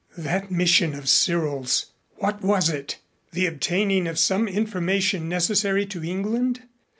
That mission of Cyril's! What was it? The obtaining of some information necessary to England?